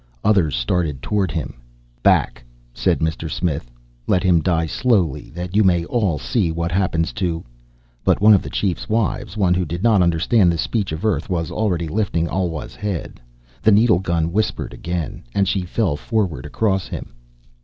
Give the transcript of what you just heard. Others started toward him. "Back," said Mr. Smith. "Let him die slowly that you may all see what happens to " But one of the chief's wives, one who did not understand the speech of Earth, was already lifting Alwa's head. The needle gun whispered again, and she fell forward across him.